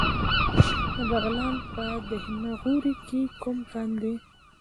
د بغلان په دهنه غوري کې کوم کان دی؟